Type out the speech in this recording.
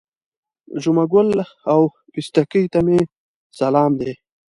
جمعه ګل او پستکي ته مې سلام دی.